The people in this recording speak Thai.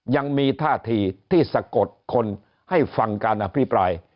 ยังมีท่าทีที่สะกดคนให้ฟังการอภิปราย